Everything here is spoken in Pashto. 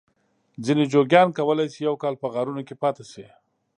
ځینې جوګیان کولای شي یو کال په غارونو کې پاته شي.